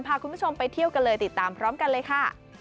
พาคุณผู้ชมไปเที่ยวกันเลยติดตามพร้อมกันเลยค่ะ